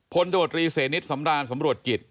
พลโดรีเสนิทสำรานสำรวจกิจ